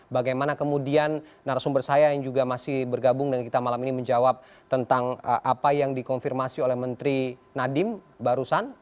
bagaimana kemudian narasumber saya yang juga masih bergabung dengan kita malam ini menjawab tentang apa yang dikonfirmasi oleh menteri nadiem barusan